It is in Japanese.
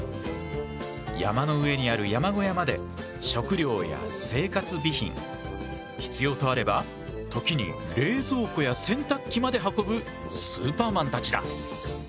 山の上にある山小屋まで食料や生活備品必要とあれば時に冷蔵庫や洗濯機まで運ぶスーパーマンたちだ。